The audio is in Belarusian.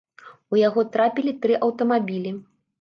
У яго трапілі тры аўтамабілі.